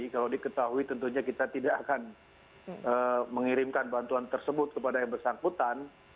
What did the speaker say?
kalau diketahui tentunya kita tidak akan mengirimkan bantuan tersebut kepada yang bersangkutan